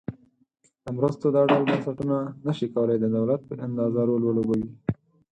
د مرستو دا ډول بنسټونه نشي کولای د دولت په اندازه رول ولوبوي.